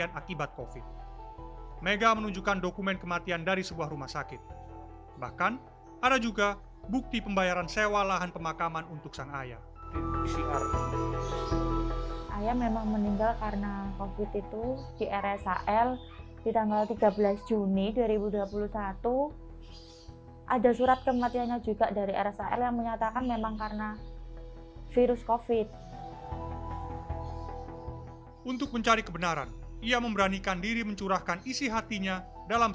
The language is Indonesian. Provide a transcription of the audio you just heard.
saya ingin mempertanyakan kenapa dan apa alasannya